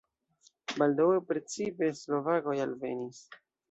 Baldaŭe precipe slovakoj alvenis.